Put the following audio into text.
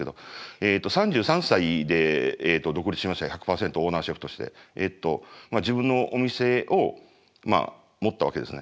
えっと３３歳で独立しまして１００％オーナーシェフとして自分のお店を持ったわけですね。